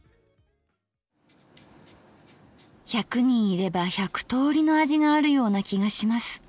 １００人いれば１００通りの味があるような気がします